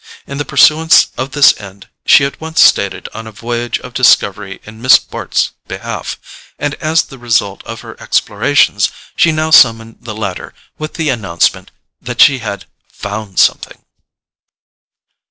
In the pursuance of this end she at once started on a voyage of discovery in Miss Bart's behalf; and as the result of her explorations she now summoned the latter with the announcement that she had "found something."